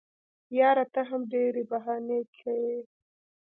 یاره ته هم ډېري بهانې کیې.